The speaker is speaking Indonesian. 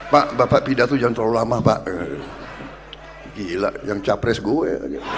pak bapak pidato jangan terlalu lama pak gila yang capres gue